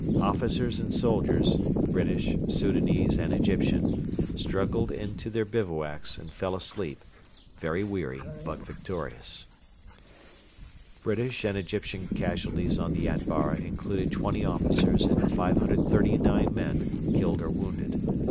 Officers and soldiers British, Soudanese, and Egyptian struggled into their bivouacs, and fell asleep, very weary but victorious. British and Egyptian casualties on the Atbara included 20 officers and 539 men killed or wounded.